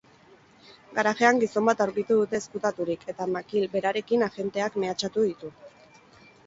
Garajean gizon bat aurkitu dute ezkutaturik eta makil berarekin agenteak mehatxatu ditu.